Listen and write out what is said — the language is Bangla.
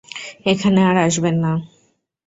এখানে আর আসবেন না।